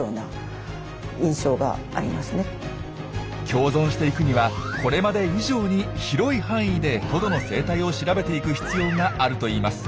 共存していくにはこれまで以上に広い範囲でトドの生態を調べていく必要があるといいます。